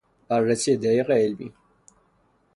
بررسی دقیق علمی